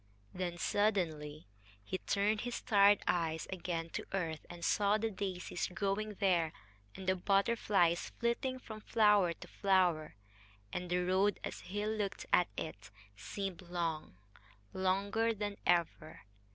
Then suddenly he turned his tired eyes again to earth, and saw the daisies growing there, and the butterflies flitting from flower to flower. And the road, as he looked at it, seemed long longer than ever.